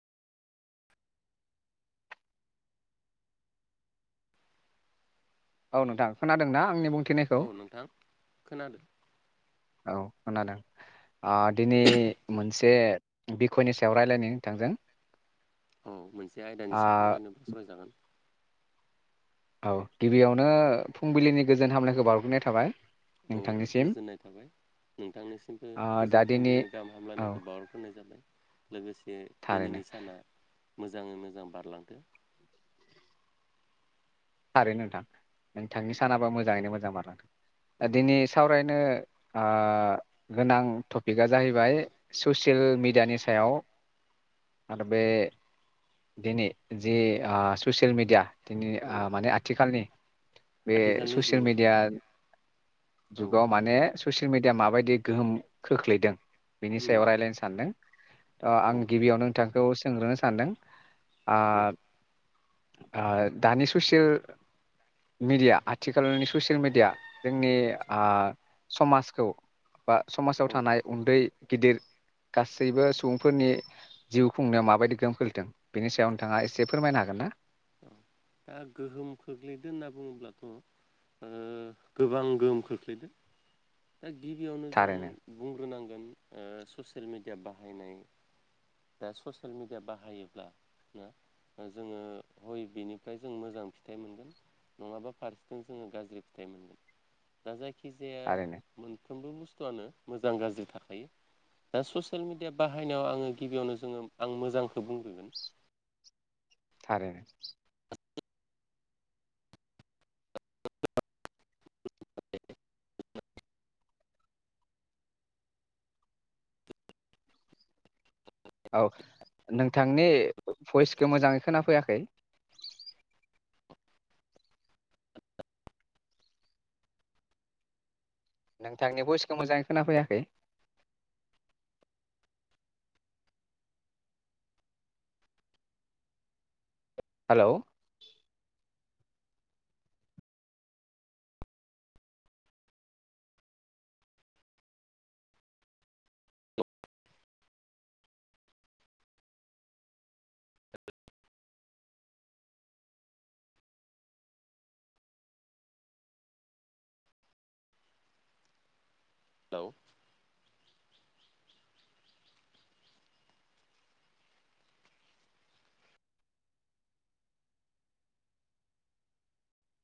औ नोंथां खोनादों ना आंनि बुं औ नोंथां खोनादों। औ खोनादों। आ दिनै मोनसे बिखयनि सायाव रायलायनो नोंथांजों। औ मोनसे ओ आयदानिसो सावरायनोब्ला सावरायजागोन। औ गिबियावनो फुंबिलिनि गोजोन हामलायखौ बावग्रोनाय थाबाय। औ नोंथांनिसिम गोजोननाय थाबाय नोंथांनिसिमबो ओ दा गोजोन दिनै फुंबिलिनि गाहाम औ हामलायनायखौ बावहरग्रोनाय जाबाय। लोगोसे थारैनो दिनैनि साना मोजाङै मोजां बारलांदो। थारैनो नोंथां नोंथांनि सानाबो मोजाङैनो मोजां बारलांथों। औ दिनै सावरायनो ओ गोनां टपिकआ जाहैबाय ससियेल मिडियानि सायाव आरो बे दिनै जि ओ ससियेल मिडिया दिनै औ आ आथिखालनि बे आथिखालनि ससियेल जुगाव मिडिया औ जुगाव माने ससियेल मिडिया या माबायदि गोहोम खोख्लैदों बिनि उम सायाव रायज्लायनो सानदों आं औ आं गिबियावनो नोंथां खौ सोंग्रोनो सानदों। आ दे आ दानिस ससियेल मिडिया आथिखालनि ससियेल मिडिया जोंनि आदसा आ समाजखौ बा समाजाव औ थानाय उन्दै गिदिर गासैबो सुबुंफोरनि जिउ खुंनायाव माबायदि गोहोम खोलैथों बेनि सायाव नोंथाङा एसे फोरमायनो हागोन ना? ओ गोहोम खोख्लैदो होनना बुङोब्लाथ' ओ गोबां गोहोम खोख्लैदो। दा गिबियावनो जों थारैनो बुंग्रोनांग ओ ससियेल मिडिया बाहायनाय दा ससियेल मिडिया बाहायोब्ला ना दा जोङो हय बेनिफ्राय जों मोजां फिथाइ मोनगोन नङाबा फारसेथिं जोङो गाज्रि फिथाइ मोनगोन दा जायख जायखिजाया थारैनो मोनथ सोंलु बुस्थुआनो मोजां गाज्रि थाखायो दा ससियेल मिडिया बाहायनायाव आङो गिबियावनो जोङो आं मोजांखौ बुंग्रोगोन। थारैनो औ नोंथांनि भइसखौ मोजाङै खोनाफैयाखै। नोंथांनि भयइसखौ मोजाङै खोनाफैयाखै। हेल' हेलउ